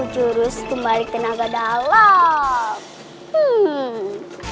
jurus membalik tenaga dalam